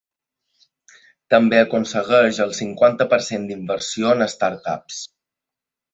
També aconsegueix el cinquanta per cent d’inversió en ‘startups’.